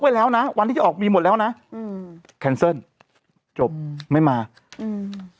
ไว้แล้วนะวันที่จะออกมีหมดแล้วนะอืมแคนเซิลจบอืมไม่มาอืม